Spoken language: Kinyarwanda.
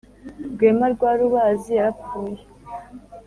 rwema rwa rubazi yarapfuye